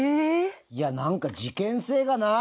いやなんか事件性がない。